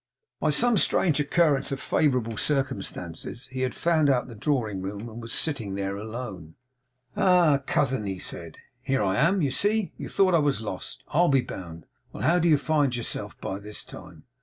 By some strange occurrence of favourable circumstances he had found out the drawing room, and was sitting there alone. 'Ah, cousin!' he said. 'Here I am, you see. You thought I was lost, I'll be bound. Well! how do you find yourself by this time?